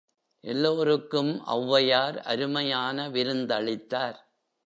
எல்லோருக்கும் ஒளவையார் அருமையான விருந்தளித்தார்.